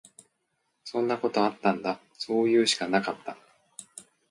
そんなことあったんだ。そういうしかなかった。